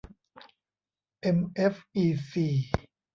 เอ็ม เอฟ อี ซี